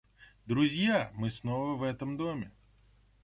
Друзья! мы снова в этом доме!